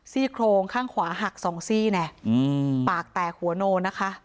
ซี่โครงข้างขวาหักสองซี่นะปากแตกหัวโนนะคะ